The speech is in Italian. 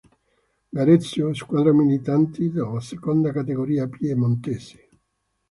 Garessio, squadra militante nella Seconda Categoria piemontese.